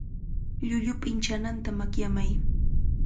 Llullupa inchananta makyamay.